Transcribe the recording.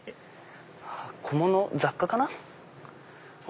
小物雑貨かな？